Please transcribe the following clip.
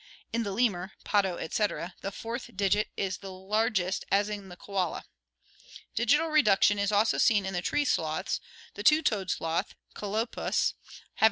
In the lemur (potto, etc.), the fourth digit is the largest as in the koala. Digital reduction is also seen in the tree sloths, the two toed sloth Ckoltepus (Figs.